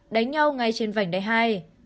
đánh nhau ngay trên vành đáy hai